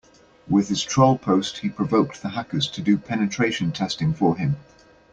With his troll post he provoked the hackers to do penetration testing for him.